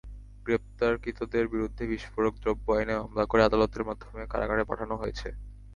গ্রেপ্তারকৃতদের বিরুদ্ধে বিস্ফোরক দ্রব্য আইনে মামলা করে আদালতের মাধ্যমে কারাগারে পাঠানো হয়েছে।